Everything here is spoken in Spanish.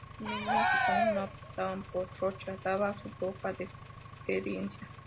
Los medios mexicanos no apostaban por Rocha, dada su poca experiencia.